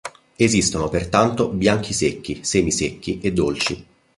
Esistono pertanto bianchi secchi, semi-secchi e dolci.